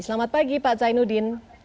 selamat pagi pak zainuddin